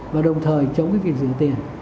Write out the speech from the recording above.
và đồng thời chống cái việc rửa tiền